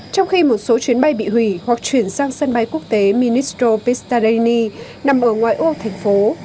trong khi một số chuyến bay bị hủy hoặc chuyển sang sân bay quốc tế ministro pistajini nằm ở ngoài ô thành phố